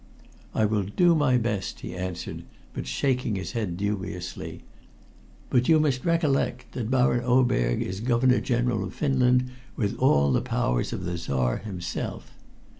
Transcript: "I will do my best," he answered, but shaking his head dubiously. "But you must recollect that Baron Oberg is Governor General of Finland, with all the powers of the Czar himself."